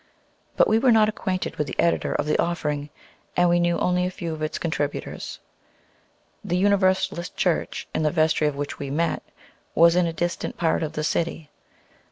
But we were not acquainted with the editor of the "Offering," and we knew only a few of its contributors. The Universalist Church, in the vestry of which they met, was in a distant part of the city.